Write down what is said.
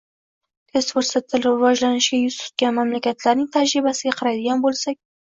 Tez fursatda rivojlanishga yuz tutgan mamlakatlarning tajribasiga qaraydigan bo‘lsak